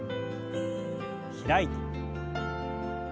開いて。